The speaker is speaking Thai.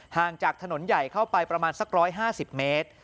ห่างจากถนนใหญ่เข้าไปประมาณสัก๑๕๐เมตร